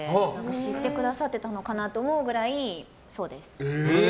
知ってくださってたのかなって思うぐらい、そうです。